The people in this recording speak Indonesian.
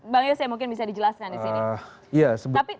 bang yose mungkin bisa dijelaskan disini